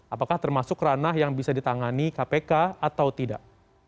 apakah termasuk ranah yang bisa ditangani kpk atau tidak